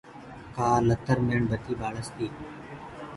ڪآل اتر ميڻ بتي ٻآݪس تي۔